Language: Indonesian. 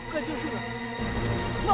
kenapa hari itu